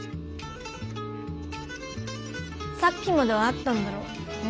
さっきまではあったんだろう？